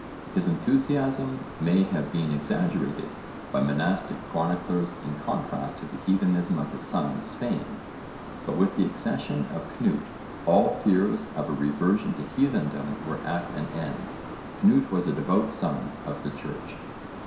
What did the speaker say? His enthusiasm may have been exaggerated by monastic chroniclers in contrast to the heathenism of his son Svein, but with the accession of Cnut all fears of a reversion to heathendom were at an end. Cnut was a devout son of the Church.